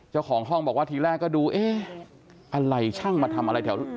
เจ้าของห้องบอกว่าทีแรกก็ดูเอ๊ะอะไรช่างมาทำอะไรแถว